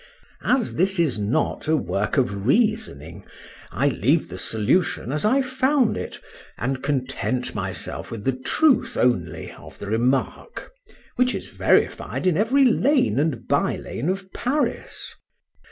As this is not a work of reasoning, I leave the solution as I found it, and content myself with the truth only of the remark, which is verified in every lane and by lane of Paris.